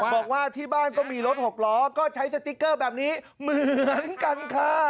บอกว่าที่บ้านก็มีรถหกล้อก็ใช้สติ๊กเกอร์แบบนี้เหมือนกันค่ะ